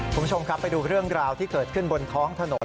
คุณผู้ชมครับไปดูเรื่องราวที่เกิดขึ้นบนท้องถนน